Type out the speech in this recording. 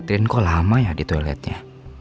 atin kok lama ya di toiletnya